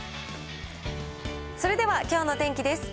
それではきょうの天気です。